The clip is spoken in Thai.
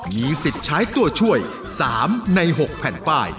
มีสิทธิ์ใช้ตัวช่วย๓ใน๖แผ่นป้าย